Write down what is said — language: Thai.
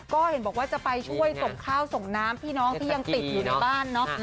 ก็เห็นบอกว่าจะไปช่วยส่งข้าวส่งน้ำพี่น้องที่ยังติดอยู่ในบ้านเนาะ